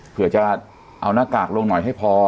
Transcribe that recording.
เผื่อจะเอาหน้ากากลงหน่อยให้พอ